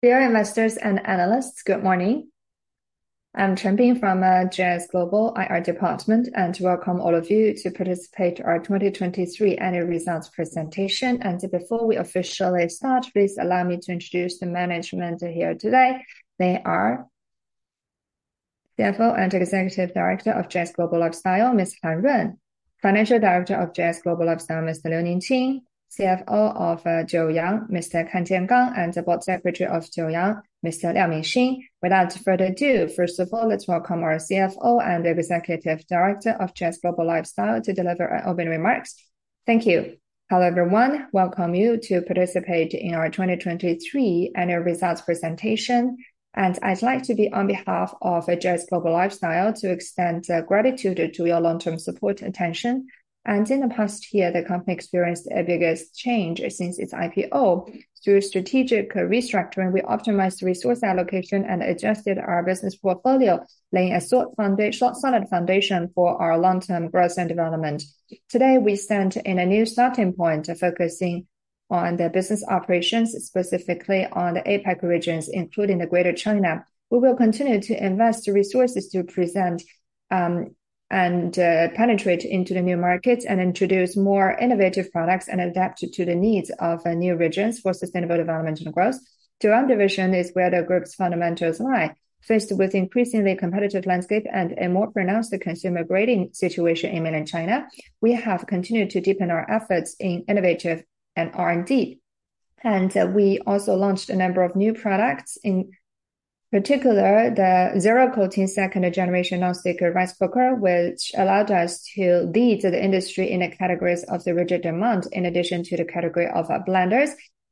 Dear investors and analysts, good morning. I'm Chen Bing from JS Global IR Department, and welcome all of you to participate in our 2023 annual results presentation. Before we officially start, please allow me to introduce the management here today. They are CFO and Executive Director of JS Global Lifestyle, Ms. Han Run; Financial Director of JS Global Lifestyle, Mr. Liu Ningqing; CFO of Joyoung, Mr. Kan Jiangang; and the Board Secretary of Joyoung, Mr. Miao Mingxin. Without further ado, first of all, let's welcome our CFO and Executive Director of JS Global Lifestyle to deliver our opening remarks. Thank you. Hello, everyone. Welcome you to participate in our 2023 annual results presentation, and I'd like to be on behalf of JS Global Lifestyle to extend gratitude to your long-term support attention. In the past year, the company experienced its biggest change since its IPO. Through strategic restructuring, we optimized resource allocation and adjusted our business portfolio, laying a solid foundation for our long-term growth and development. Today, we stand in a new starting point of focusing on the business operations, specifically on the APAC regions, including the Greater China. We will continue to invest resources to present and penetrate into the new markets and introduce more innovative products and adapt to the needs of new regions for sustainable development and growth. Joyoung division is where the group's fundamentals lie. Faced with increasingly competitive landscape and a more pronounced consumer grading situation in Mainland China, we have continued to deepen our efforts in innovative and R&D. And we also launched a number of new products, in particular, the zero-coating second-generation non-stick rice cooker, which allowed us to lead the industry in the categories of the rigid demand, in addition to the category of blenders.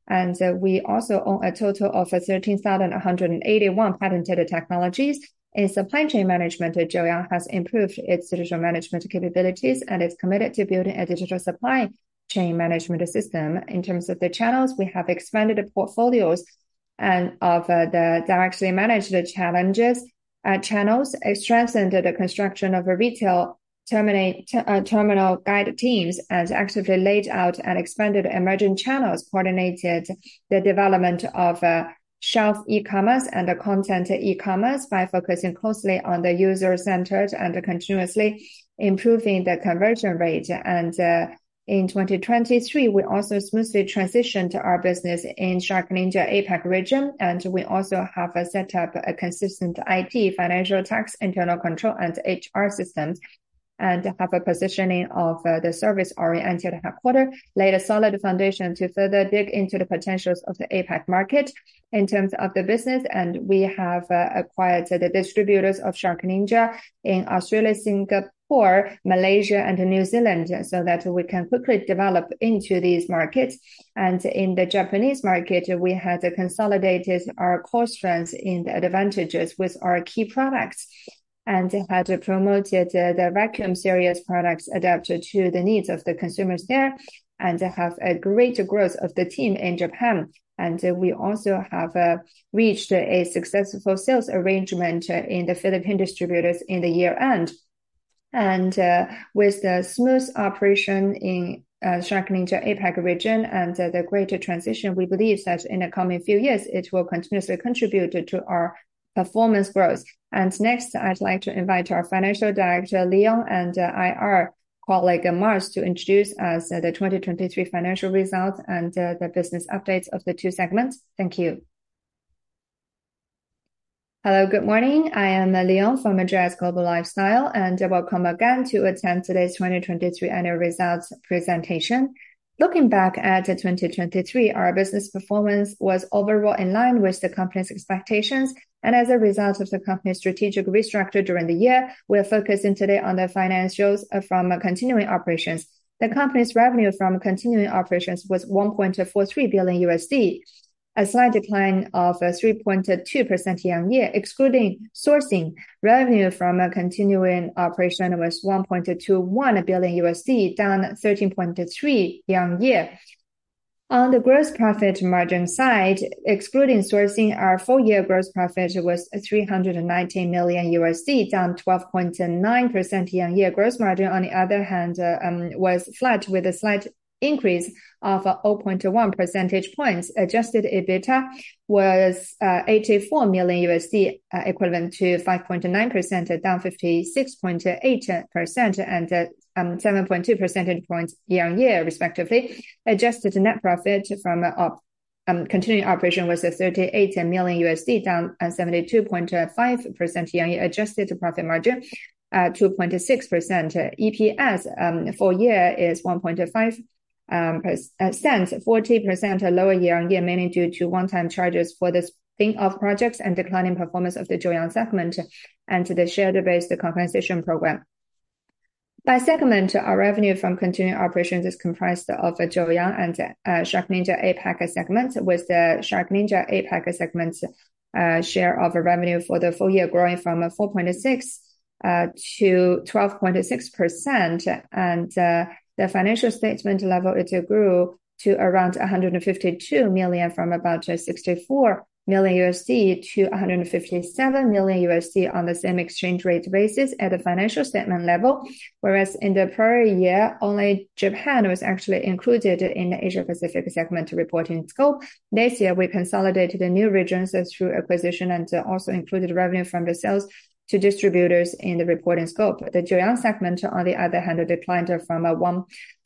And we also own a total of 13,181 patented technologies. In supply chain management, Joyoung has improved its digital management capabilities and is committed to building a digital supply chain management system. In terms of the channels, we have expanded the portfolios and of the directly managed channels, strengthened the construction of a retail terminal guide teams, and actively laid out and expanded emerging channels, coordinated the development of shelf e-commerce and the content e-commerce by focusing closely on the user-centered and continuously improving the conversion rate. In 2023, we also smoothly transitioned our business in SharkNinja APAC region, and we also have set up a consistent IT, financial, tax, internal control, and HR systems, and have a positioning of the service oriented headquarter, laid a solid foundation to further dig into the potentials of the APAC market in terms of the business. We have acquired the distributors of SharkNinja in Australia, Singapore, Malaysia, and New Zealand, so that we can quickly develop into these markets. In the Japanese market, we had consolidated our core strengths in the advantages with our key products, and had promoted the vacuum series products adapted to the needs of the consumers there, and have a greater growth of the team in Japan. We also have reached a successful sales arrangement in the Philippine distributors in the year-end. And, with the smooth operation in, SharkNinja APAC region and the greater transition, we believe that in the coming few years, it will continuously contribute to our performance growth. And next, I'd like to invite our Financial Director, Leon, and, IR colleague, Mars, to introduce us the 2023 financial results and, the business updates of the two segments. Thank you. Hello, good morning. I am Leon from JS Global Lifestyle, and welcome again to attend today's 2023 annual results presentation. Looking back at 2023, our business performance was overall in line with the company's expectations. And as a result of the company's strategic restructure during the year, we are focusing today on the financials from continuing operations. The company's revenue from continuing operations was $1.43 billion, a slight decline of 3.2% year-on-year. Excluding sourcing, revenue from a continuing operation was $1.21 billion, down 13.3 year-on-year. On the gross profit margin side, excluding sourcing, our full year gross profit was $319 million, down 12.9% year-on-year. Gross margin, on the other hand, was flat, with a slight increase of 0.1 percentage points. Adjusted EBITDA was $84 million, equivalent to 5.9%, down 56.8% and 7.2 percentage points year-on-year, respectively. Adjusted net profit from continuing operation was $38 million, down 72.5% year-on-year. Adjusted profit margin 2.6%. EPS, full year is 1.5 cents, 14% lower year-on-year, mainly due to one-time charges for the spin-off projects and declining performance of the Joyoung segment and the share-based compensation program. By segment, our revenue from continuing operations is comprised of Joyoung and SharkNinja APAC segment, with the SharkNinja APAC segment share of revenue for the full year growing from 4.6% to 12.6%, and the financial statement level, it grew to around $152 million from about $64 million to $157 million on the same exchange rate basis at the financial statement level. Whereas in the prior year, only Japan was actually included in the Asia Pacific segment reporting scope. This year, we consolidated the new regions through acquisition and also included revenue from the sales to distributors in the reporting scope. The Joyoung segment, on the other hand, declined from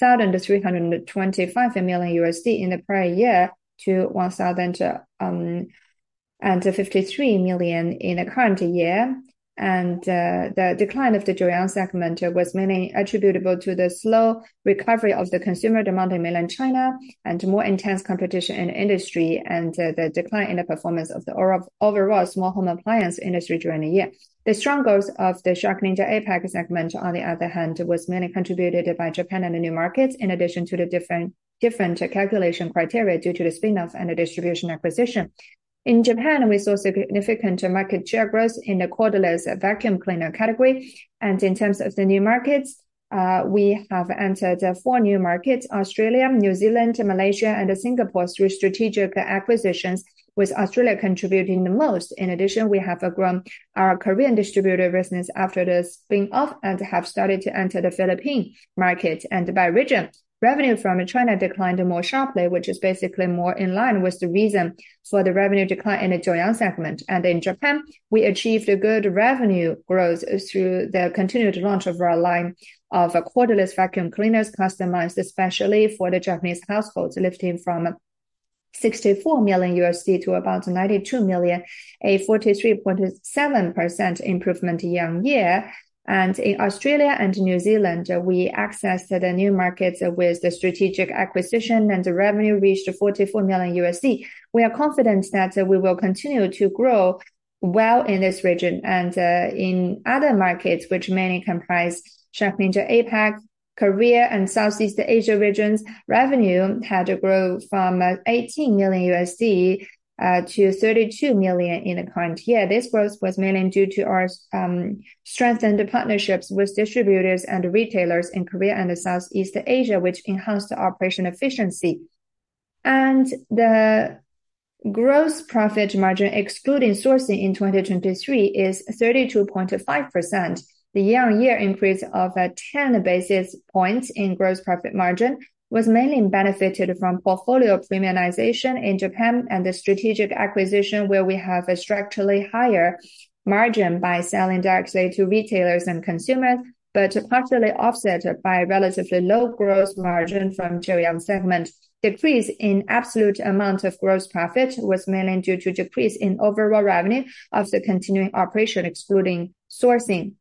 $1,325 million in the prior year to $1,053 million in the current year. The decline of the Joyoung segment was mainly attributable to the slow recovery of the consumer demand in Mainland China, and more intense competition in the industry, and the decline in the performance of the overall small home appliance industry during the year. The strong growth of the SharkNinja APAC segment, on the other hand, was mainly contributed by Japan and the new markets, in addition to the different calculation criteria due to the spin-offs and the distribution acquisition. In Japan, we saw significant market share growth in the cordless vacuum cleaner category, and in terms of the new markets, we have entered four new markets: Australia, New Zealand, Malaysia, and Singapore, through strategic acquisitions, with Australia contributing the most. In addition, we have grown our Korean distributor business after the spin-off and have started to enter the Philippine market. And by region, revenue from China declined more sharply, which is basically more in line with the reason for the revenue decline in the Joyoung segment. And in Japan, we achieved a good revenue growth through the continued launch of our line of cordless vacuum cleaners, customized especially for the Japanese households, lifting from $64 million to about $92 million, a 43.7% improvement year-on-year. In Australia and New Zealand, we accessed the new markets with the strategic acquisition, and the revenue reached $44 million. We are confident that we will continue to grow well in this region. In other markets, which mainly comprise SharkNinja APAC, Korea, and Southeast Asia regions, revenue had to grow from $18 million-$32 million in the current year. This growth was mainly due to our strengthened partnerships with distributors and retailers in Korea and Southeast Asia, which enhanced the operation efficiency. The gross profit margin, excluding sourcing in 2023, is 32.5%. The year-on-year increase of 10 basis points in gross profit margin was mainly benefited from portfolio premiumization in Japan and the strategic acquisition, where we have a structurally higher margin by selling directly to retailers and consumers, but partially offset by relatively low gross margin from Joyoung segment. Decrease in absolute amount of gross profit was mainly due to decrease in overall revenue of the continuing operation, excluding sourcing.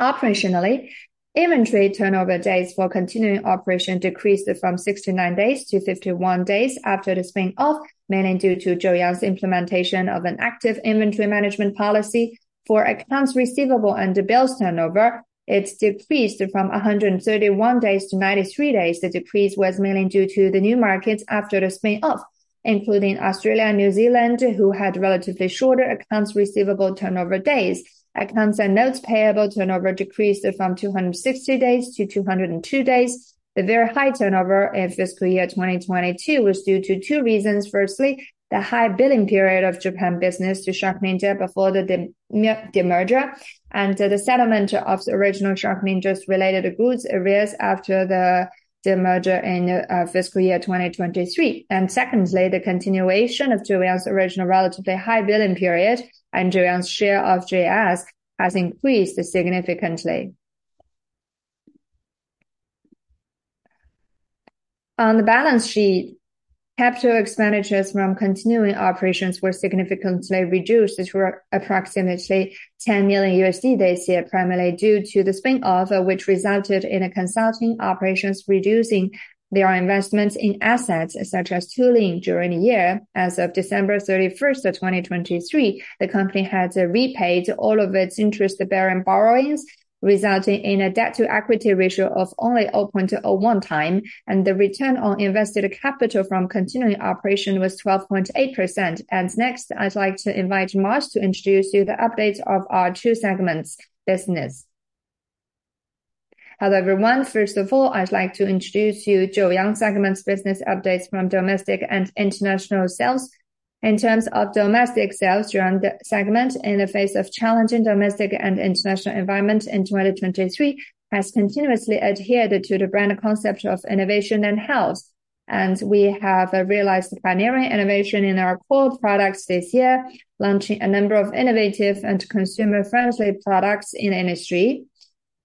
Operationally, inventory turnover days for continuing operation decreased from 69 days to 51 days after the spin-off, mainly due to Joyoung's implementation of an active inventory management policy. For accounts receivable and bills turnover, it decreased from 131 days to 93 days. The decrease was mainly due to the new markets after the spin-off, including Australia and New Zealand, who had relatively shorter accounts receivable turnover days. Accounts and notes payable turnover decreased from 260 days-202 days. The very high turnover in fiscal year 2022 was due to two reasons. Firstly, the high billing period of Japan business to SharkNinja before the demerger, and the settlement of the original SharkNinja's related goods arrears after the demerger in fiscal year 2023. And secondly, the continuation of Joyoung's original relatively high billing period, and Joyoung's share of JS has increased significantly. On the balance sheet, capital expenditures from continuing operations were significantly reduced to approximately $10 million this year, primarily due to the spin-off, which resulted in continuing operations reducing their investments in assets such as tooling during the year. As of December 31, 2023, the company had repaid all of its interest-bearing borrowings, resulting in a debt-to-equity ratio of only 0.01 times, and the return on invested capital from continuing operation was 12.8%. Next, I'd like to invite Mars to introduce you the updates of our two segments business. Hello, everyone. First of all, I'd like to introduce you Joyoung segment's business updates from domestic and international sales. In terms of domestic sales, Joyoung segment, in the face of challenging domestic and international environment in 2023, has continuously adhered to the brand concept of innovation and health. And we have realized pioneering innovation in our core products this year, launching a number of innovative and consumer-friendly products in the industry.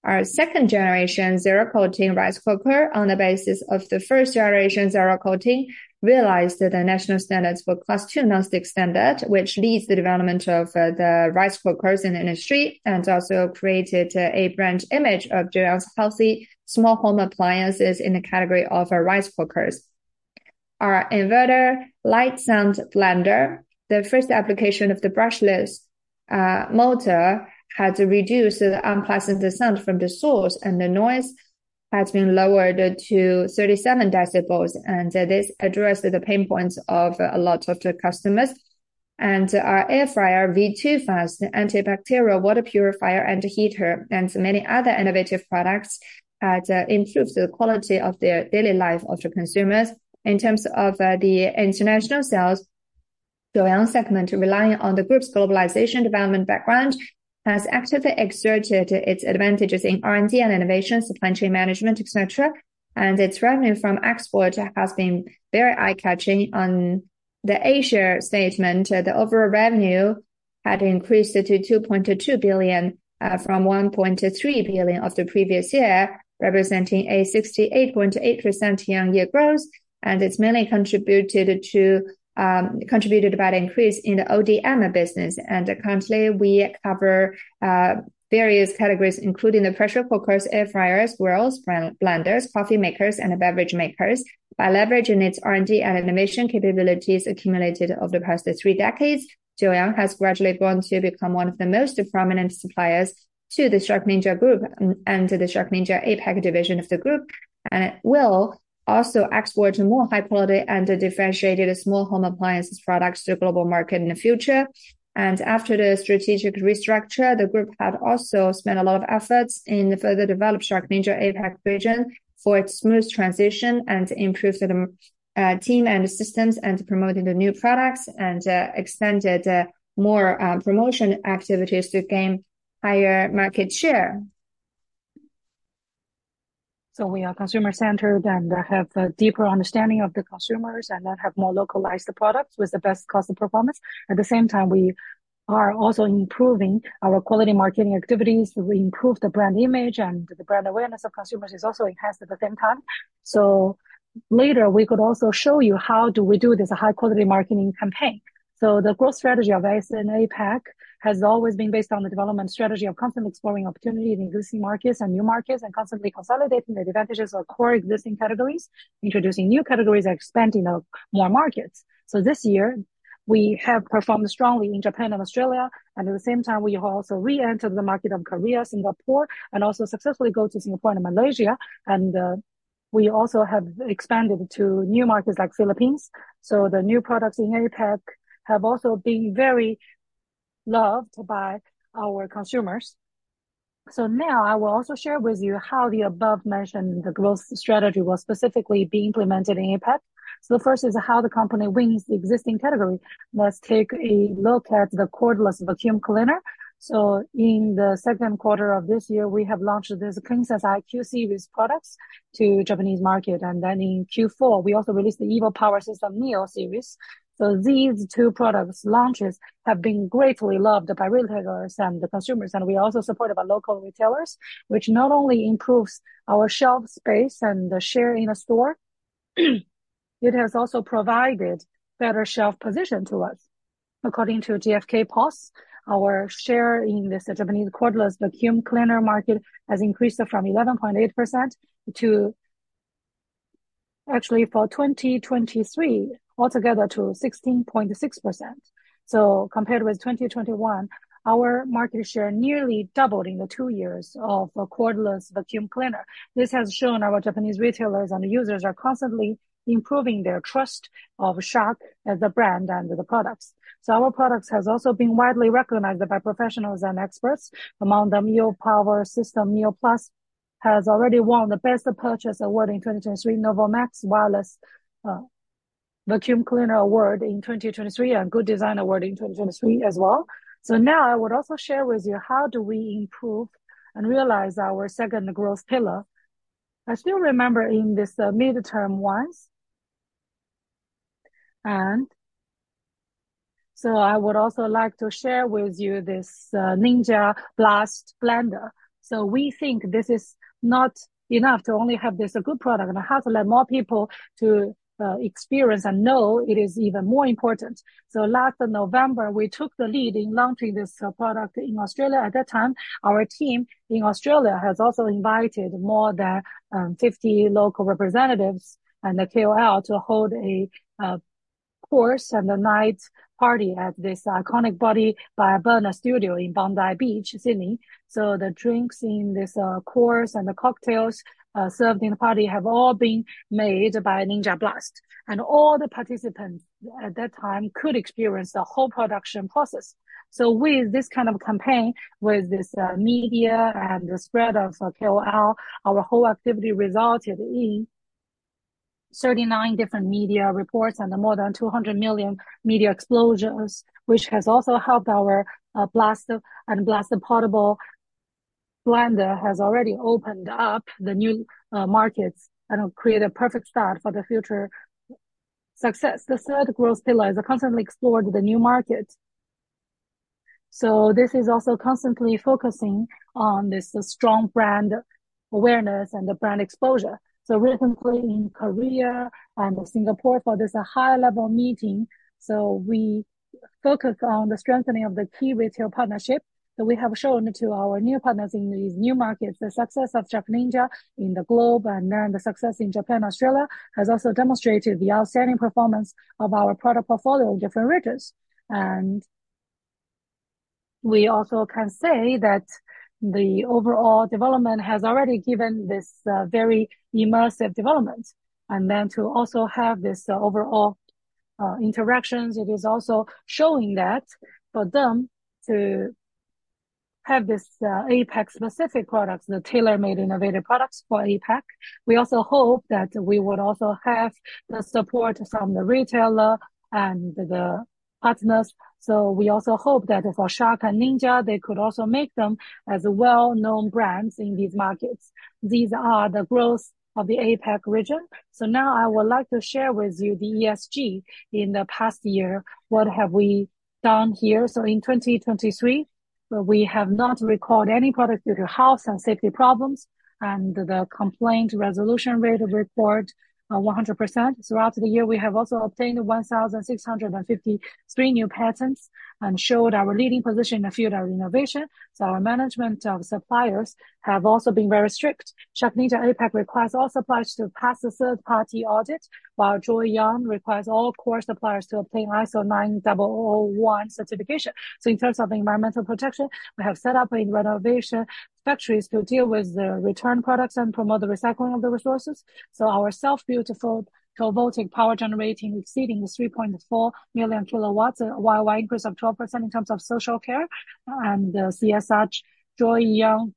Our second generation zero-coating rice cooker, on the basis of the first generation zero-coating, realized that the national standards for Class Two National Standard, which leads the development of, the rice cookers in the industry, and also created, a brand image of Joyoung's healthy small home appliances in the category of rice cookers. Our Inverter Light Sound Blender, the first application of the brushless, motor, had to reduce the unpleasant sound from the source, and the noise has been lowered to 37 decibels, and this addressed the pain points of a lot of the customers.... and our Air Fryer V2 Fast, Antibacterial Water Purifier and heater, and many other innovative products that improves the quality of the daily life of the consumers. In terms of the international sales, Joyoung segment, relying on the group's globalization development background, has actively exerted its advantages in R&D and innovation, supply chain management, et cetera. Its revenue from export has been very eye-catching. On the Asia segment, the overall revenue had increased to $2.2 billion from $1.3 billion of the previous year, representing a 68.8% year-on-year growth, and it's mainly contributed by the increase in the ODM business. Currently, we cover various categories, including the pressure cookers, air fryers, grills, blenders, coffee makers, and beverage makers. By leveraging its R&D and innovation capabilities accumulated over the past three decades, Joyoung has gradually grown to become one of the most prominent suppliers to the Shark Ninja Group and to the Shark Ninja APAC division of the group. It will also export more high quality and differentiated small home appliances products to global market in the future. After the strategic restructure, the group had also spent a lot of efforts in further develop SharkNinja APAC region for its smooth transition and improve the team and the systems, and promoting the new products, and extended more promotion activities to gain higher market share. So we are consumer-centered and have a deeper understanding of the consumers, and then have more localized the products with the best cost and performance. At the same time, we are also improving our quality marketing activities. We improve the brand image, and the brand awareness of consumers is also enhanced at the same time. So later, we could also show you how do we do this high-quality marketing campaign. So the growth strategy of Asia APAC has always been based on the development strategy of constantly exploring opportunities in existing markets and new markets, and constantly consolidating the advantages of core existing categories, introducing new categories, and expanding of more markets. So this year, we have performed strongly in Japan and Australia, and at the same time, we have also re-entered the market of Korea, Singapore, and also successfully go to Singapore and Malaysia. And, we also have expanded to new markets like Philippines. So the new products in APAC have also been very loved by our consumers. So now, I will also share with you how the above-mentioned, the growth strategy, will specifically be implemented in APAC. So the first is how the company wins the existing category. Let's take a look at the cordless vacuum cleaner. So in the second quarter of this year, we have launched this Clean Sense IQ series products to Japanese market, and then in Q4, we also released the EVOPOWER SYSTEM NEO series. So these two products launches have been greatly loved by retailers and the consumers, and we are also supported by local retailers, which not only improves our shelf space and the share in a store, it has also provided better shelf position to us. According to GfK POS, our share in this Japanese cordless vacuum cleaner market has increased from 11.8% to... Actually, for 2023, altogether to 16.6%. So compared with 2021, our market share nearly doubled in the two years of cordless vacuum cleaner. This has shown our Japanese retailers and users are constantly improving their trust of Shark as a brand and the products. So our products has also been widely recognized by professionals and experts. Among them, EVOPOWER SYSTEM NEO Plus has already won the Best Purchase Award in 2023, Novamax Wireless Vacuum Cleaner Award in 2023, and Good Design Award in 2023 as well. So now, I would also share with you how do we improve and realize our second growth pillar. I still remember in this midterm once, and... So I would also like to share with you this Ninja Blast blender. So we think this is not enough to only have this a good product, but how to let more people to experience and know it is even more important. So last November, we took the lead in launching this product in Australia. At that time, our team in Australia has also invited more than 50 local representatives and the KOL to hold a course and a night party at this iconic Body By Berner studio in Bondi Beach, Sydney. So the drinks in this course and the cocktails served in the party have all been made by Ninja Blast. And all the participants at that time could experience the whole production process. So with this kind of campaign, with this media and the spread of KOL, our whole activity resulted in 39 different media reports and more than 200 million media exposures, which has also helped our Ninja Blast and Ninja Blast portable blender has already opened up the new markets and create a perfect start for the future success. The third growth pillar is to constantly explore the new markets. So this is also constantly focusing on this strong brand awareness and the brand exposure. So recently in Korea and Singapore, for this a high-level meeting, so we focus on the strengthening of the key retail partnership that we have shown to our new partners in these new markets. The success of SharkNinja in the globe, and then the success in Japan, Australia, has also demonstrated the outstanding performance of our product portfolio in different regions. And-... We also can say that the overall development has already given this very immersive development, and then to also have this overall interactions, it is also showing that for them to have this APAC-specific products, the tailor-made innovative products for APAC. We also hope that we would also have the support from the retailer and the partners, so we also hope that for Shark and Ninja, they could also make them as well-known brands in these markets. These are the growth of the APAC region. So now I would like to share with you the ESG in the past year, what have we done here? So in 2023, we have not recalled any product due to health and safety problems, and the complaint resolution rate of report 100%. Throughout the year, we have also obtained 1,653 new patents and showed our leading position in the field of innovation. Our management of suppliers have also been very strict. SharkNinja APAC requires all suppliers to pass a third-party audit, while Joyoung requires all core suppliers to obtain ISO 9001 certification. In terms of environmental protection, we have set up a renovation factories to deal with the return products and promote the recycling of the resources. Our self-built photovoltaic power generating exceeding the 3.4 million kilowatts, a YoY increase of 12%. In terms of social care, the CSR Joyoung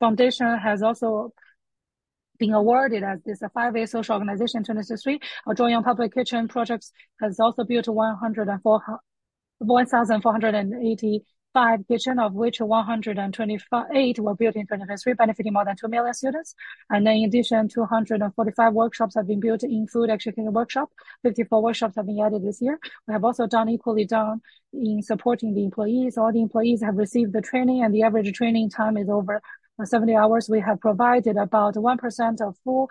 Foundation has also been awarded as this a five-year social organization in 2023. Our Joyoung Public Kitchen projects has also built 1,485 kitchens, of which 128 were built in 2023, benefiting more than two million students. In addition, 245 workshops have been built in food and cooking workshops. 54 workshops have been added this year. We have also done equally done in supporting the employees. All the employees have received the training, and the average training time is over 70 hours. We have provided about 1% of full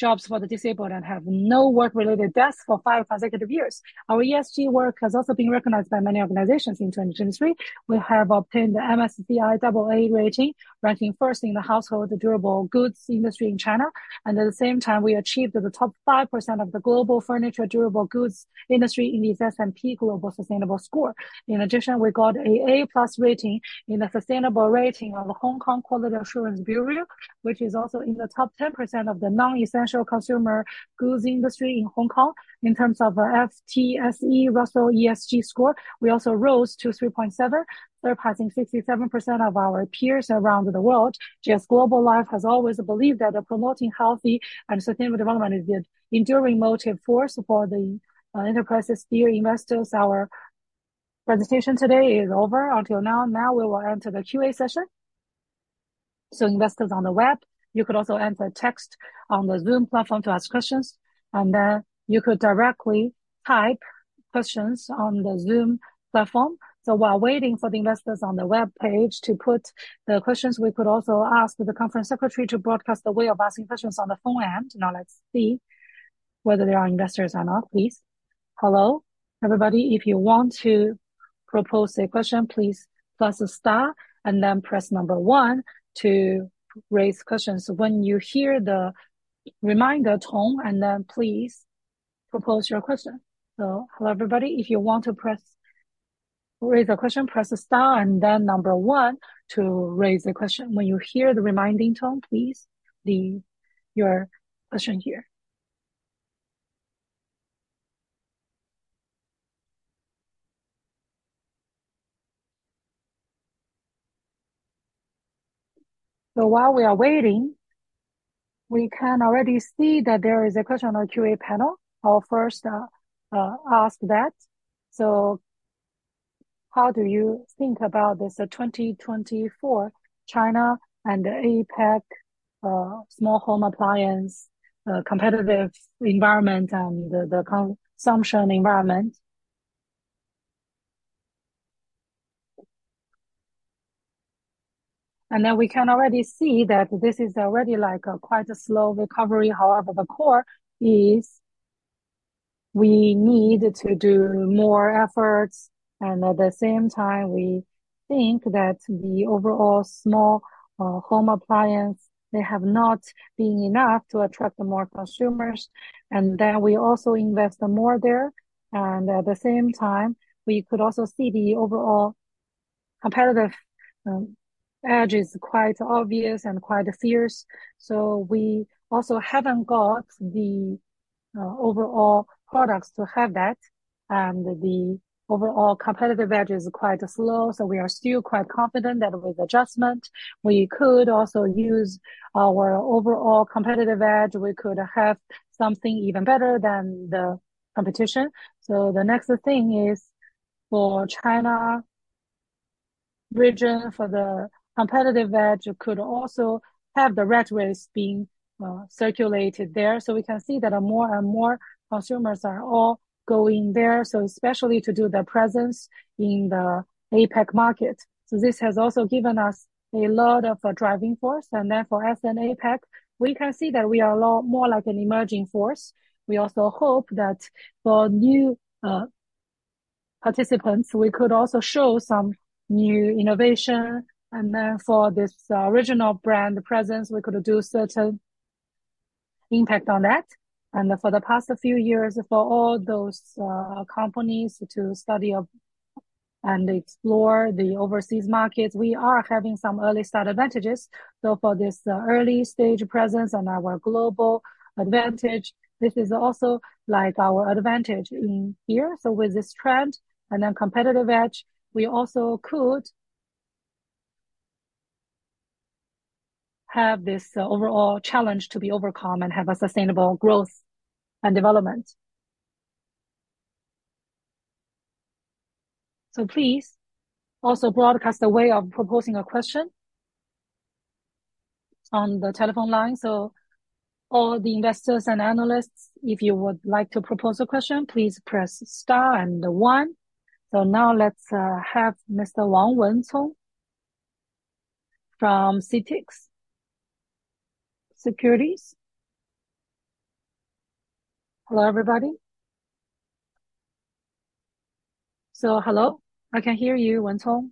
jobs for the disabled and have no work-related deaths for 5 consecutive years. Our ESG work has also been recognized by many organizations in 2023. We have obtained the MSCI double A rating, ranking first in the household, the durable goods industry in China, and at the same time, we achieved the top 5% of the global furniture durable goods industry in the S&P Global Sustainable Score. In addition, we got an A+ rating in the sustainable rating of the Hong Kong Quality Assurance Agency, which is also in the top 10% of the non-essential consumer goods industry in Hong Kong. In terms of, FTSE Russell ESG score, we also rose to 3.7, surpassing 67% of our peers around the world. JS Global Lifestyle has always believed that the promoting healthy and sustainable development is the enduring motive force for the enterprises. Dear investors, our presentation today is over until now. Now we will enter the QA session. So investors on the web, you could also enter text on the Zoom platform to ask questions, and then you could directly type questions on the Zoom platform. So while waiting for the investors on the web page to put the questions, we could also ask the conference secretary to broadcast the way of asking questions on the phone end. Now, let's see whether there are investors or not, please. Hello, everybody. If you want to propose a question, please press star and then press number one to raise questions. When you hear the reminder tone, and then please propose your question. So hello, everybody. If you want to raise a question, press star and then number one to raise a question. When you hear the reminding tone, please leave your question here. So while we are waiting, we can already see that there is a question on the QA panel. I'll first ask that. So how do you think about this 2024 China and APAC small home appliance competitive environment and the consumption environment? And then we can already see that this is already like a quite a slow recovery. However, the core is we need to do more efforts, and at the same time, we think that the overall small home appliance they have not been enough to attract the more consumers, and then we also invest more there. And at the same time, we could also see the overall competitive edge is quite obvious and quite fierce. So we also haven't got the overall products to have that, and the overall competitive edge is quite slow. So we are still quite confident that with adjustment, we could also use our overall competitive edge. We could have something even better than the competition. So the next thing is for China region, for the competitive edge, could also have the rat race being circulated there. So we can see that more and more consumers are all going there, so especially to do the presence in the APAC market. So this has also given us a lot of driving force, and therefore, as an APAC, we can see that we are a lot more like an emerging force. We also hope that for new participants, we could also show some new innovation, and then for this original brand presence, we could do certain impact on that. And for the past few years, for all those companies to study of and explore the overseas markets, we are having some early start advantages. So for this early stage presence on our global advantage, this is also like our advantage in here. So with this trend and then competitive edge, we also could have this overall challenge to be overcome and have a sustainable growth and development. So please also broadcast the way of proposing a question on the telephone line. So all the investors and analysts, if you would like to propose a question, please press star and one. So now let's have Mr. Wang Wenzhong from CITIC Securities. Hello, everybody. Hello, I can hear you, Wenzhong.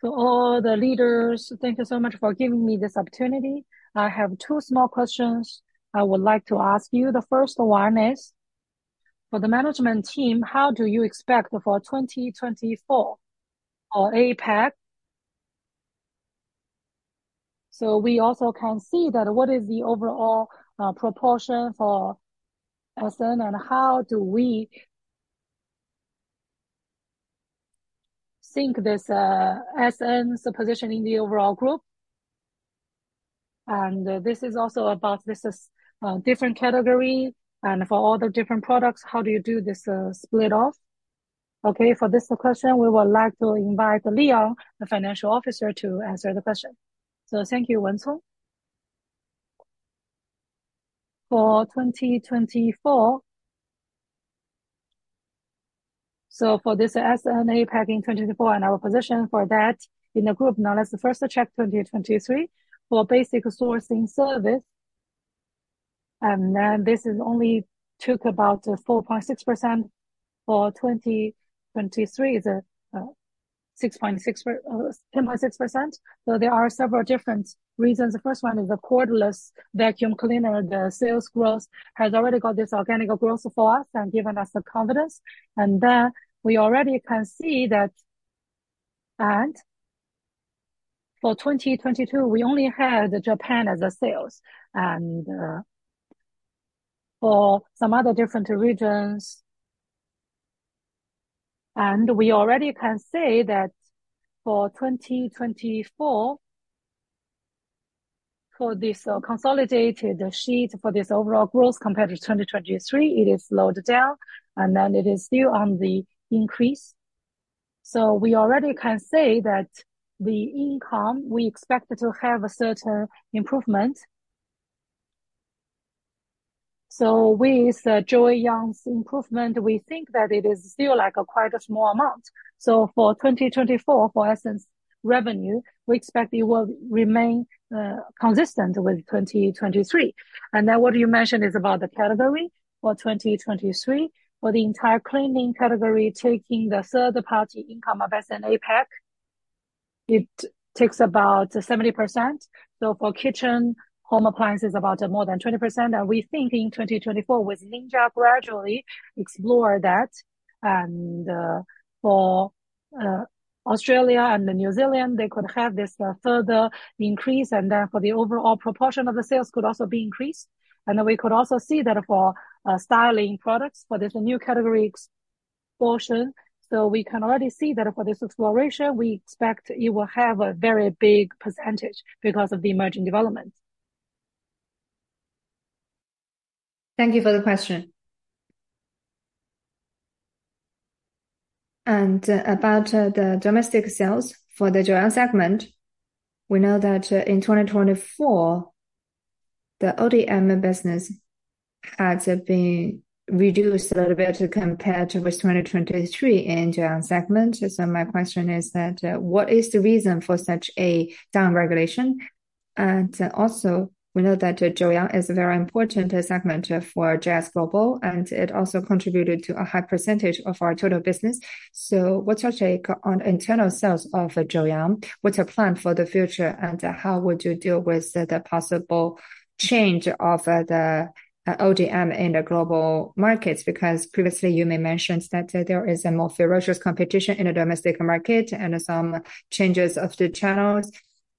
To all the leaders, thank you so much for giving me this opportunity. I have two small questions I would like to ask you. The first one is, for the management team, how do you expect for 2024 or APAC? We also can see that what is the overall proportion for SN, and how do we sync this SN's position in the overall group? This is also about this is different category, and for all the different products, how do you do this spin-off? Okay, for this question, we would like to invite Leon, the financial officer, to answer the question. So thank you, Wenzhong. For 2024... So for this SN APAC in 2024, and our position for that in the group, now let's first check 2023. For basic sourcing service, and then this is only took about 4.6%. For 2023, the 6.6%-10.6%. So there are several different reasons. The first one is the cordless vacuum cleaner. The sales growth has already got this organic growth for us and given us the confidence. And then we already can see that... For 2022, we only had Japan as a sales, and for some other different regions. We already can say that for 2024, for this consolidated sheet, for this overall growth compared to 2023, it is slowed down, and then it is still on the increase. So we already can say that the income, we expect to have a certain improvement. So with Joyoung's improvement, we think that it is still like quite a small amount. So for 2024, for SN's revenue, we expect it will remain consistent with 2023. Then what you mentioned is about the category for 2023. For the entire cleaning category, taking the third-party income of SN APAC, it takes about 70%. So for kitchen, home appliance is about more than 20%, and we think in 2024, with Ninja gradually explore that. And for Australia and New Zealand, they could have this further increase, and then for the overall proportion of the sales could also be increased. And we could also see that for styling products, for this new category portion. So we can already see that for this exploration, we expect it will have a very big percentage because of the emerging development. Thank you for the question. About the domestic sales for the Joyoung segment, we know that in 2024, the ODM business had been reduced a little bit compared to 2023 in Joyoung segment. So my question is that what is the reason for such a down-regulation? And also, we know that Joyoung is a very important segment for JS Global, and it also contributed to a high percentage of our total business. So what's your take on internal sales of Joyoung? What's your plan for the future, and how would you deal with the possible change of the ODM in the global markets? Because previously, you may have mentioned that there is a more ferocious competition in the domestic market and some changes of the channels,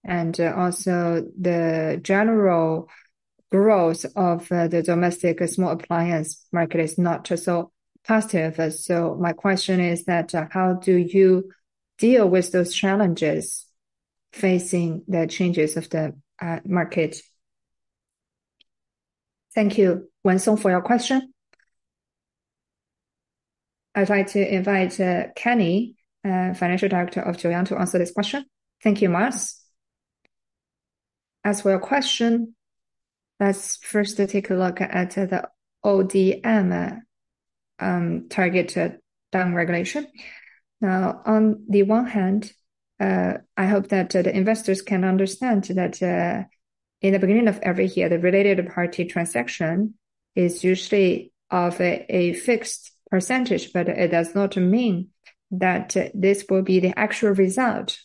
and also the general growth of the domestic small appliance market is not so positive. So my question is that, how do you deal with those challenges facing the changes of the market? Thank you, Wenzhong, for your question. I'd like to invite Kan, Financial Director of Joyoung, to answer this question. Thank you, Mars. As for your question, let's first take a look at the ODM target down-regulation. Now, on the one hand, I hope that the investors can understand that- In the beginning of every year, the related party transaction is usually of a fixed percentage, but it does not mean that this will be the actual result,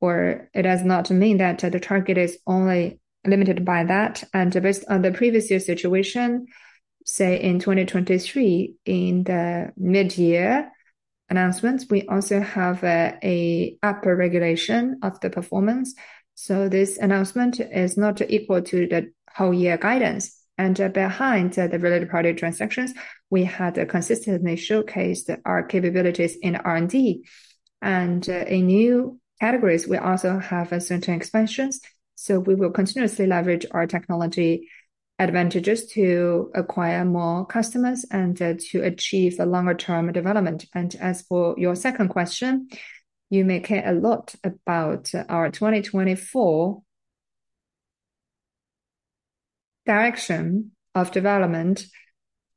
or it does not mean that the target is only limited by that. Based on the previous year's situation, say, in 2023, in the mid-year announcements, we also have an upper regulation of the performance. So this announcement is not equal to the whole year guidance. Behind the related party transactions, we had consistently showcased our capabilities in R&D. In new categories, we also have certain expansions, so we will continuously leverage our technology advantages to acquire more customers and to achieve a longer term development. As for your second question, you may care a lot about our 2024 direction of development.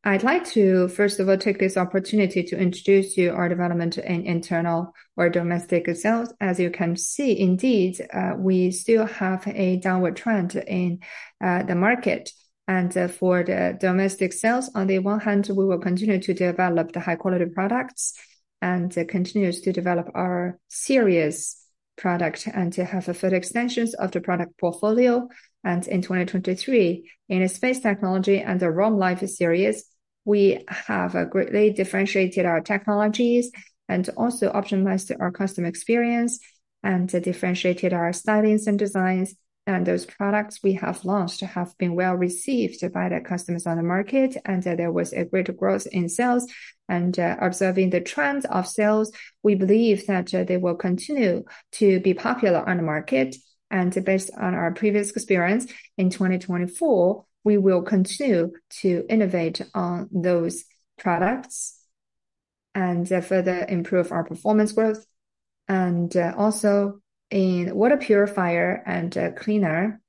I'd like to, first of all, take this opportunity to introduce you our development in internal or domestic sales. As you can see, indeed, we still have a downward trend in the market. For the domestic sales, on the one hand, we will continue to develop the high quality products and continue to develop our serious product, and to have a further extensions of the product portfolio. In 2023, in space technology and the Roam Life series, we have greatly differentiated our technologies and also optimized our customer experience, and differentiated our stylings and designs. Those products we have launched have been well received by the customers on the market, and there was a great growth in sales. Observing the trend of sales, we believe that they will continue to be popular on the market. Based on our previous experience, in 2024, we will continue to innovate on those products and further improve our performance growth. Also in water purifier and cleaner,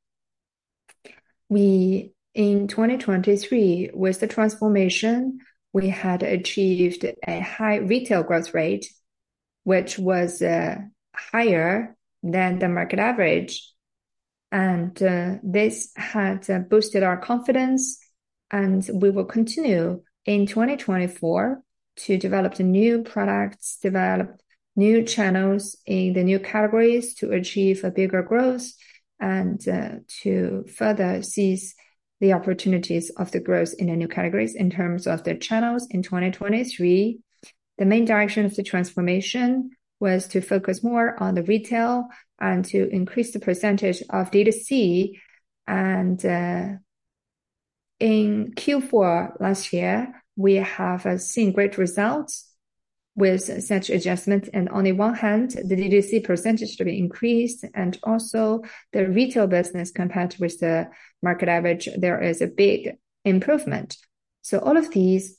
we in 2023, with the transformation, we had achieved a high retail growth rate, which was higher than the market average. This had boosted our confidence, and we will continue in 2024 to develop the new products, develop new channels in the new categories to achieve a bigger growth, and to further seize the opportunities of the growth in the new categories. In terms of the channels in 2023, the main direction of the transformation was to focus more on the retail and to increase the percentage of D2C. In Q4 last year, we have seen great results with such adjustments. And on the one hand, the D2C percentage have increased, and also the retail business, compared with the market average, there is a big improvement. So all of these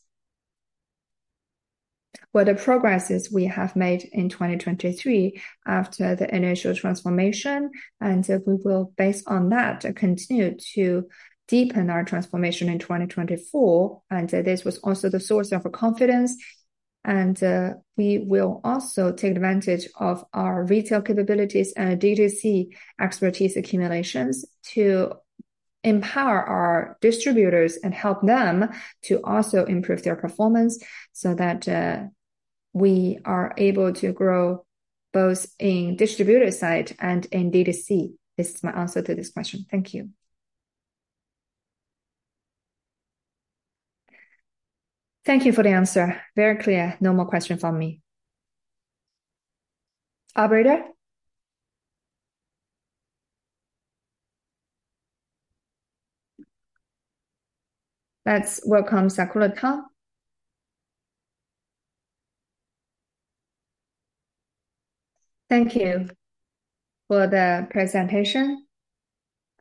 were the progresses we have made in 2023 after the initial transformation, and so we will, based on that, continue to deepen our transformation in 2024, and this was also the source of our confidence. And we will also take advantage of our retail capabilities and our D2C expertise accumulations to empower our distributors and help them to also improve their performance, so that we are able to grow both in distributor side and in D2C. This is my answer to this question. Thank you. Thank you for the answer. Very clear. No more questions from me. Operator? Let's welcome Sakura Tao. Thank you for the presentation.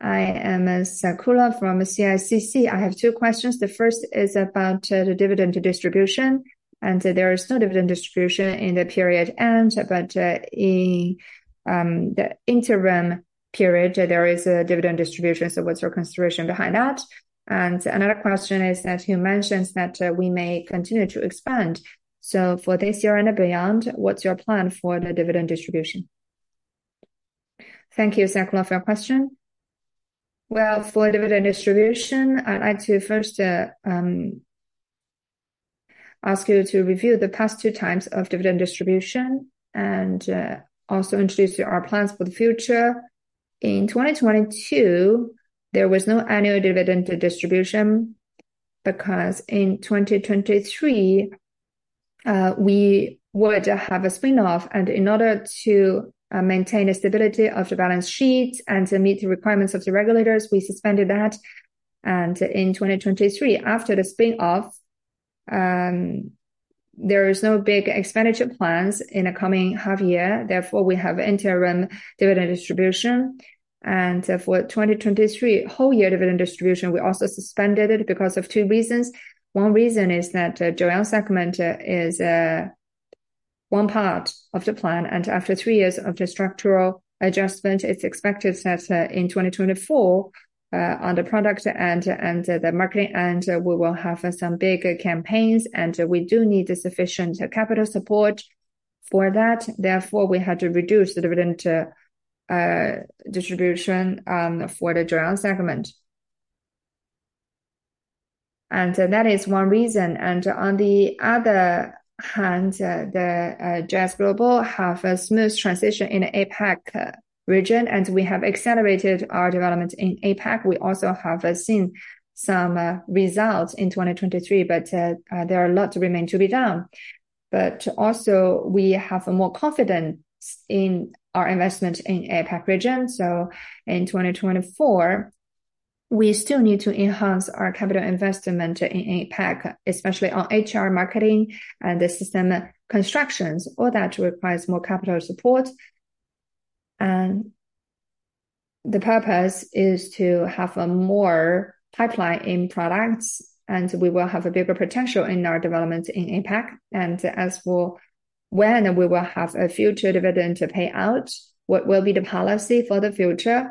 I am, Sakura from CICC. I have two questions. The first is about the dividend distribution, and there is no dividend distribution in the period end, but in the interim period, there is a dividend distribution, so what's your consideration behind that? And another question is, as you mentioned, that we may continue to expand. So for this year and beyond, what's your plan for the dividend distribution? Thank you, Sakura, for your question. Well, for dividend distribution, I'd like to first ask you to review the past two times of dividend distribution and also introduce you our plans for the future. In 2022, there was no annual dividend distribution, because in 2023, we would have a spin-off, and in order to maintain the stability of the balance sheet and to meet the requirements of the regulators, we suspended that. In 2023, after the spin-off, there is no big expenditure plans in the coming half year, therefore, we have interim dividend distribution. For 2023 full year dividend distribution, we also suspended it because of two reasons. One reason is that Joyoung subcontinent is one part of the plan, and after three years of the structural adjustment, it's expected that in 2024 on the product end and the marketing end, we will have some bigger campaigns, and we do need the sufficient capital support for that, therefore, we had to reduce the dividend distribution for the Joyoung segment. And that is one reason. And on the other hand, the JS Global have a smooth transition in APAC region, and we have accelerated our development in APAC. We also have seen some results in 2023, but there are a lot to remain to be done. But also, we have more confidence in our investment in APAC region. So in 2024, we still need to enhance our capital investment in APAC, especially on HR marketing and the system constructions. All that requires more capital support, and the purpose is to have a more pipeline in products, and we will have a bigger potential in our development in APAC. And as for when we will have a future dividend to pay out, what will be the policy for the future?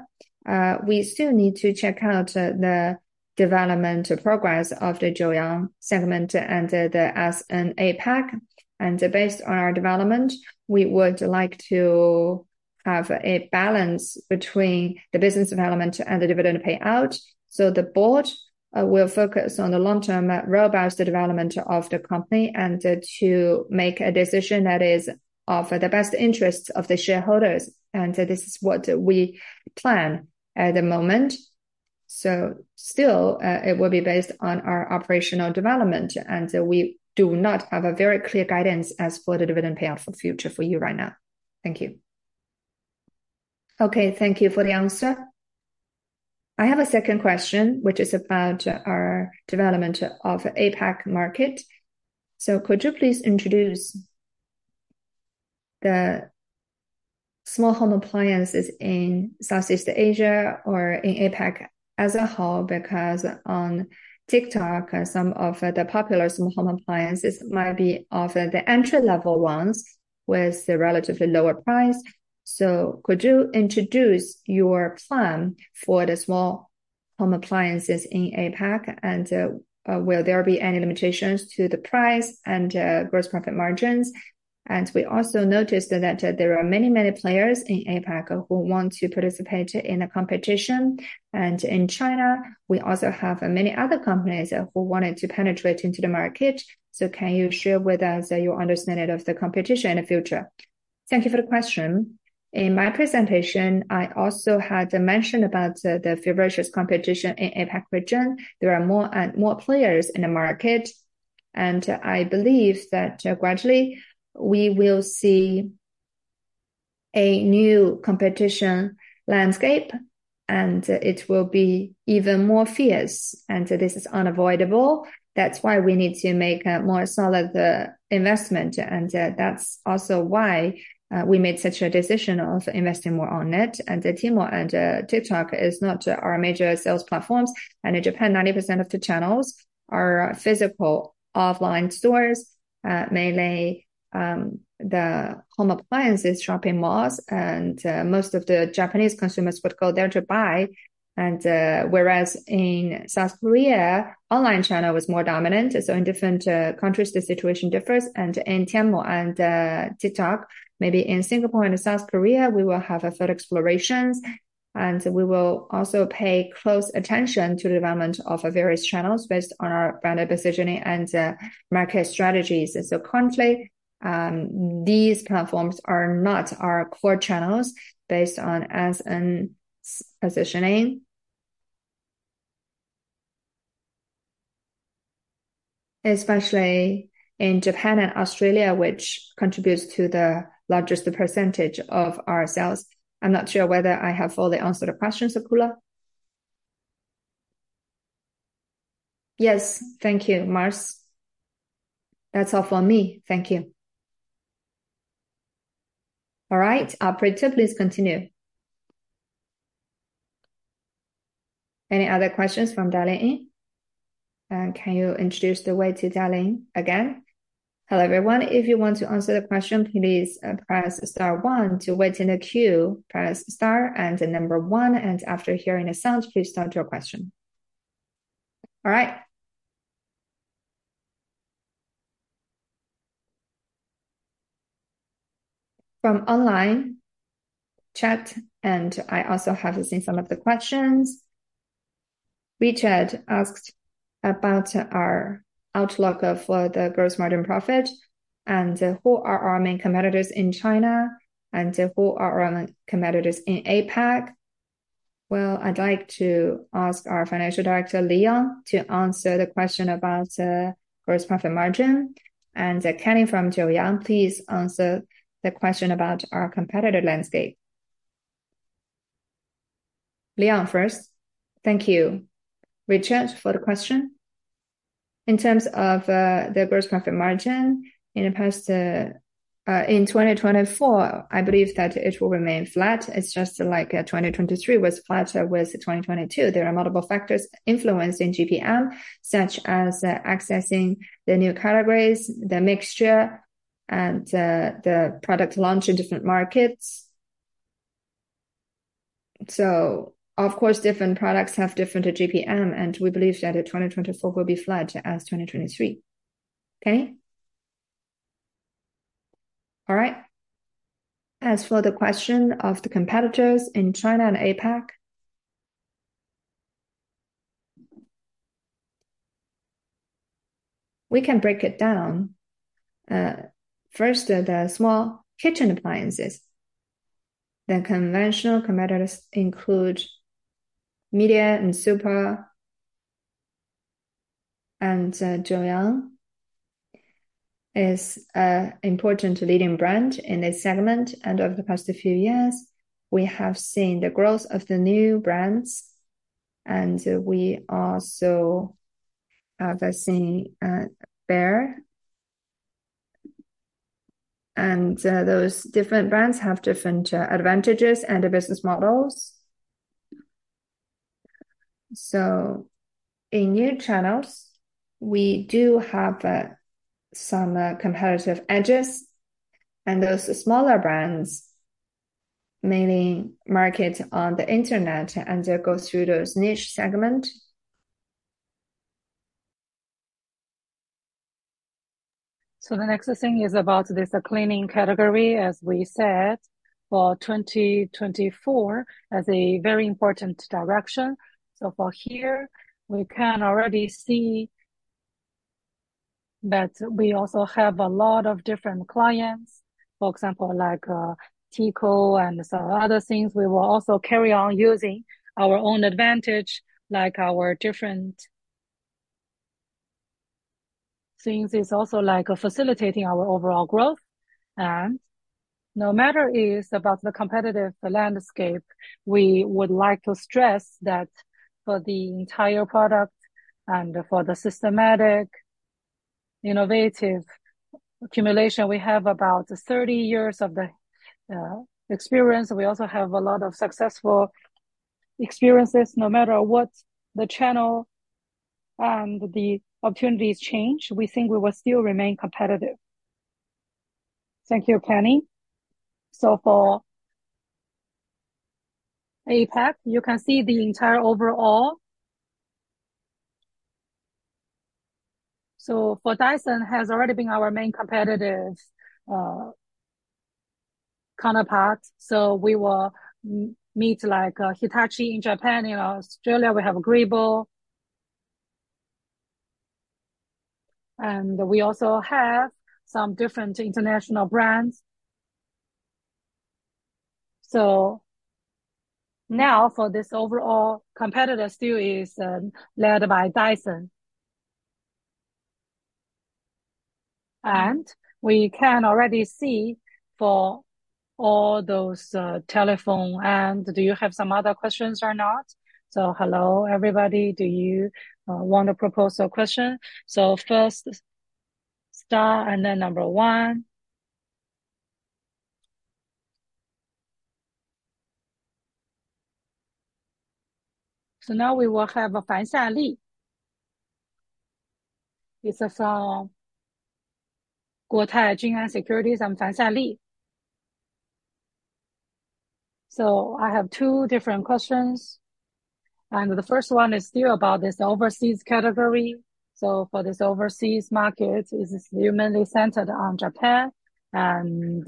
We still need to check out the development progress of the Joyoung segment and the SharkNinja in APAC. And based on our development, we would like to have a balance between the business development and the dividend payout. So the board will focus on the long-term robust development of the company and, to make a decision that is of the best interest of the shareholders, and this is what we plan at the moment. So still, it will be based on our operational development, and we do not have a very clear guidance as for the dividend payout for future for you right now. Thank you. Okay, thank you for the answer. I have a second question, which is about our development of APAC market. So could you please introduce the small home appliances in Southeast Asia or in APAC as a whole? Because on TikTok, some of the popular small home appliances might be of the entry-level ones, with a relatively lower price. So could you introduce your plan for the small home appliances in APAC, and will there be any limitations to the price and gross profit margins? And we also noticed that there are many, many players in APAC who want to participate in a competition. And in China, we also have many other companies who wanted to penetrate into the market. So can you share with us your understanding of the competition in the future? Thank you for the question. In my presentation, I also had mentioned about the ferocious competition in APAC region. There are more and more players in the market, and I believe that gradually, we will see a new competition landscape, and it will be even more fierce, and this is unavoidable. That's why we need to make a more solid investment, and that's also why we made such a decision of investing more on it. And Temu and TikTok is not our major sales platforms, and in Japan, 90% of the channels are physical, offline stores, mainly the home appliances shopping malls, and most of the Japanese consumers would go there to buy. And whereas in South Korea, online channel was more dominant, so in different countries, the situation differs. And in Temu and TikTok, maybe in Singapore and South Korea, we will have a further explorations, and we will also pay close attention to the development of various channels based on our brand positioning and market strategies. So currently, these platforms are not our core channels based on as in positioning. Especially in Japan and Australia, which contributes to the largest percentage of our sales. I'm not sure whether I have fully answered the question, Sakura. Yes, thank you, Mars. That's all for me. Thank you. All right, operator, please continue. Any other questions from dialing in? Can you introduce the way to dial in again? Hello, everyone. If you want to answer the question, please press star one. To wait in the queue, press star and the number one, and after hearing a sound, please start your question. All right. From online chat, and I also have seen some of the questions. Richard asked about our outlook for the gross margin profit, and who are our main competitors in China, and who are our competitors in APAC? Well, I'd like to ask our Financial Director, Leon, to answer the question about gross profit margin, and Kenny from Joyoung, please answer the question about our competitor landscape. Leon, first. Thank you, Richard, for the question. In terms of the gross profit margin, in the past, in 2024, I believe that it will remain flat. It's just like 2023 was flat with 2022. There are multiple factors influenced in GPM, such as accessing the new categories, the mixture, and the product launch in different markets. So, of course, different products have different GPM, and we believe that in 2024 will be flat as 2023. Kenny? All right. As for the question of the competitors in China and APAC, we can break it down. First, the small kitchen appliances. The conventional competitors include Midea, and Supor, and Joyoung is important leading brand in this segment, and over the past few years, we have seen the growth of the new brands, and we also have seen Bear. And those different brands have different advantages and business models. So in new channels, we do have some competitive edges, and those smaller brands mainly market on the internet, and they go through those niche segment. So the next thing is about this cleaning category, as we said, for 2024, as a very important direction. So for here, we can already see that we also have a lot of different clients, for example, like, Tineco and some other things. We will also carry on using our own advantage, like our different things is also like facilitating our overall growth. And no matter is about the competitive landscape, we would like to stress that for the entire product and for the systematic, innovative accumulation, we have about 30 years of the experience. We also have a lot of successful experiences. No matter what the channel and the opportunities change, we think we will still remain competitive. Thank you, Kenny. So for APAC, you can see the entire overall. So Dyson has already been our main competitive counterpart, so we will meet, like, Hitachi in Japan. In Australia, we have Breville. And we also have some different international brands. So now, for this overall competitor, still is led by Dyson. And we can already see for all those telephone, and do you have some other questions or not? So hello, everybody. Do you want to propose a question? So first, star and then number one. So now we will have Fan Xiaoli. It's from Guotai Junan Securities, I'm Fan Xiaoli. So I have two different questions, and the first one is still about this overseas category. So for this overseas market, is this mainly centered on Japan? And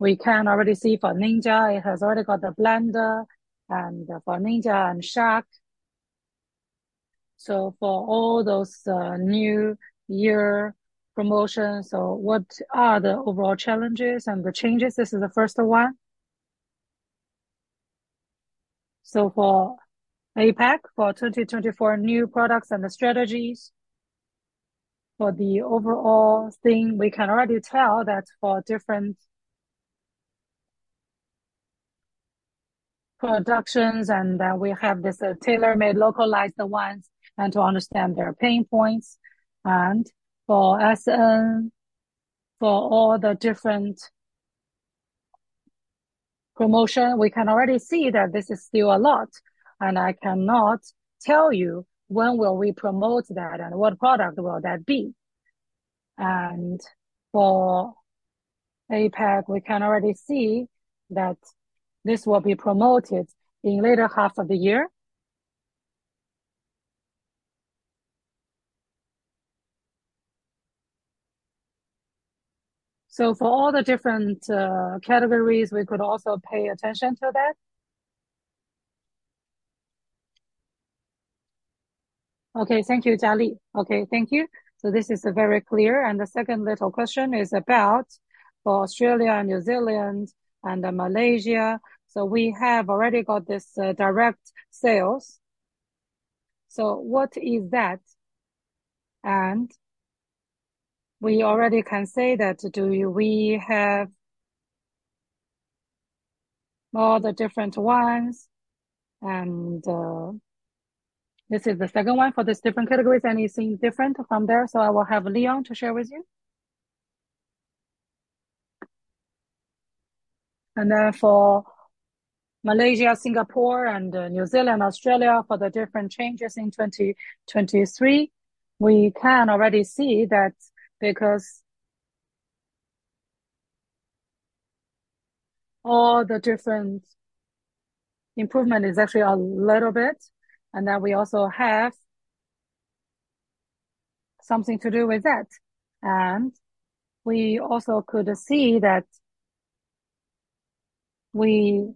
we can already see for Ninja, it has already got the blender, and for Ninja and Shark. So for all those New Year promotions, so what are the overall challenges and the changes? This is the first one. So for APAC, for 2024 new products and the strategies, for the overall thing, we can already tell that for different productions, and we have this tailor-made, localized ones, and to understand their pain points. And for SN, for all the different promotion, we can already see that this is still a lot, and I cannot tell you when will we promote that and what product will that be. And for APAC, we can already see that this will be promoted in later half of the year. So for all the different categories, we could also pay attention to that. Okay, thank you, Xiaoli. Okay, thank you. So this is very clear, and the second little question is about for Australia, and New Zealand, and, Malaysia. So we have already got this, direct sales. So what is that? And we already can say that, do we have all the different ones, and, this is the second one for these different categories, anything different from there? So I will have Leon to share with you. And then for Malaysia, Singapore, and, New Zealand, Australia, for the different changes in 2023, we can already see that because-... All the different improvement is actually a little bit, and then we also have something to do with that. And we also could see that, we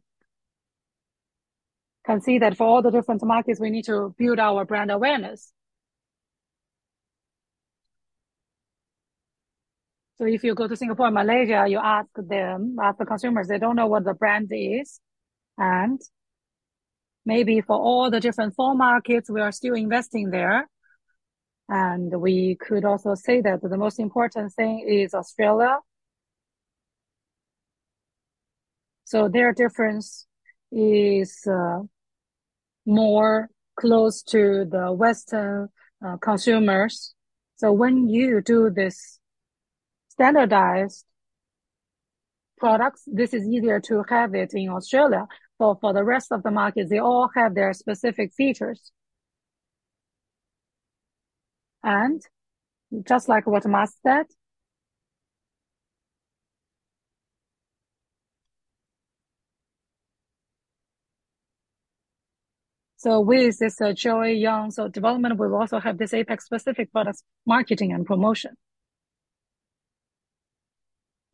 can see that for all the different markets, we need to build our brand awareness. So if you go to Singapore and Malaysia, you ask them, ask the consumers, they don't know what the brand is, and maybe for all the different four markets, we are still investing there. And we could also say that the most important thing is Australia. So their difference is more close to the Western consumers. So when you do this standardized products, this is easier to have it in Australia, but for the rest of the markets, they all have their specific features. And just like what Matt said, so with this, Joyoung, so development will also have this APAC-specific product marketing and promotion.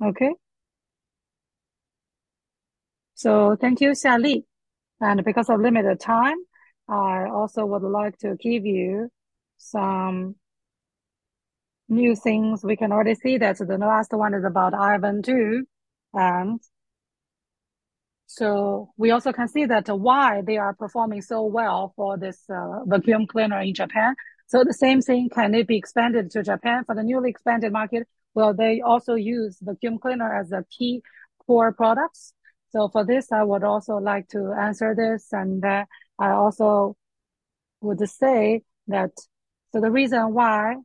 Okay? So thank you, Xiaoli, and because of limited time, I also would like to give you some new things. We can already see that the last one is about Ivan Du, and so we also can see that why they are performing so well for this vacuum cleaner in Japan. So the same thing, can it be expanded to Japan for the newly expanded market? Well, they also use vacuum cleaner as a key core products. So for this, I would also like to answer this, and I also would say that so the reason why,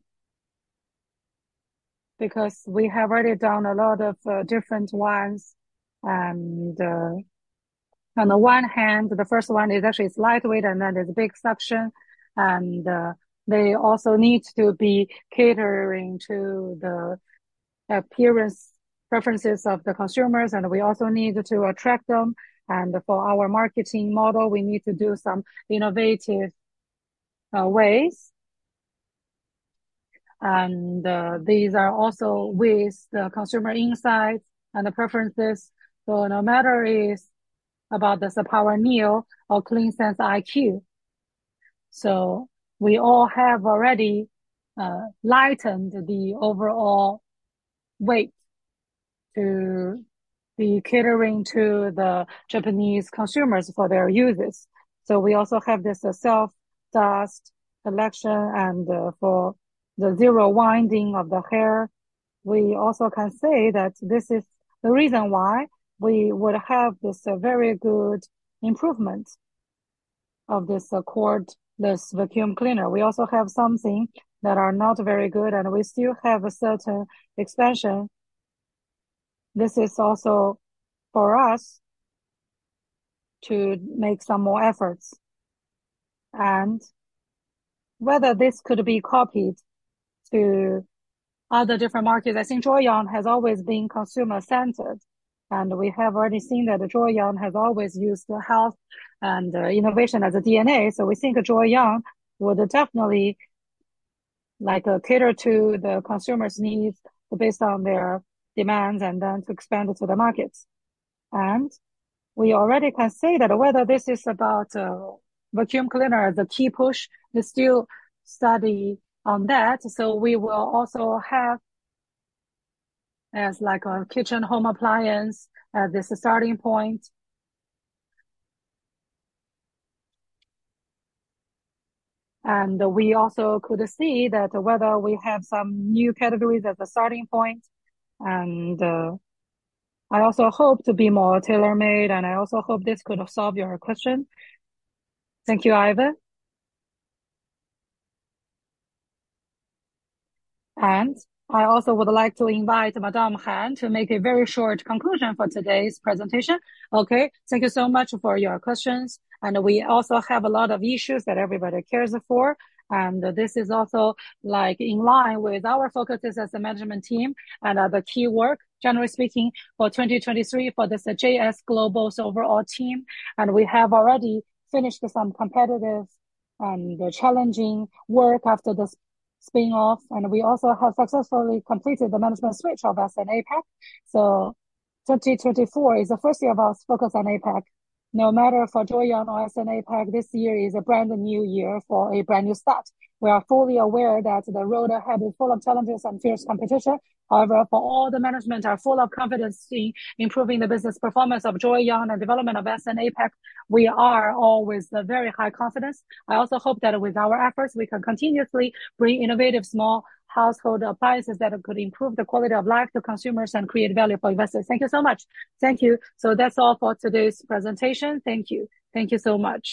because we have already done a lot of different ones, and on the one hand, the first one is actually it's lightweight, and then there's a big suction, and they also need to be catering to the appearance preferences of the consumers, and we also need to attract them. And for our marketing model, we need to do some innovative ways. These are also with the consumer insights and the preferences. No matter is about this EVOPOWER SYSTEM NEO or Clean Sense IQ, so we all have already lightened the overall weight to be catering to the Japanese consumers for their uses. We also have this self-dust collection, and for the zero winding of the hair, we also can say that this is the reason why we would have this very good improvement of this cordless vacuum cleaner. We also have something that are not very good, and we still have a certain expansion. This is also for us to make some more efforts. Whether this could be copied to other different markets, I think Joyoung has always been consumer-centered, and we have already seen that Joyoung has always used the health and innovation as a DNA. So we think Joyoung would definitely like, cater to the consumers' needs based on their demands, and then to expand it to the markets. And we already can say that whether this is about, vacuum cleaner, the key push is still study on that, so we will also have as like a kitchen home appliance, this starting point. And we also could see that whether we have some new categories as a starting point, and, I also hope to be more tailor-made, and I also hope this could have solve your question. Thank you, Ivan. And I also would like to invite Madam Han to make a very short conclusion for today's presentation. Okay, thank you so much for your questions, and we also have a lot of issues that everybody cares for, and this is also like in line with our focuses as the management team and the key work, generally speaking, for 2023, for this JS Global's overall team. We have already finished some competitive and challenging work after this spin-off, and we also have successfully completed the management switch of SharkNinja APAC. So 2024 is the first year of our focus on APAC. No matter for Joyoung or SharkNinja APAC, this year is a brand-new year for a brand-new start. We are fully aware that the road ahead is full of challenges and fierce competition. However, for all the management are full of confidence in improving the business performance of Joyoung and development of SharkNinja APAC, we are all with a very high confidence. I also hope that with our efforts, we can continuously bring innovative small household appliances that could improve the quality of life to consumers and create value for investors. Thank you so much. Thank you. So that's all for today's presentation. Thank you. Thank you so much.